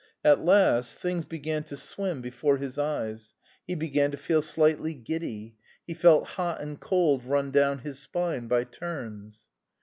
At last things began to swim before his eyes; he began to feel slightly giddy; he felt hot and cold run down his spine by turns.